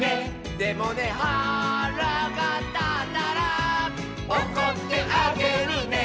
「でもねはらがたったら」「おこってあげるね」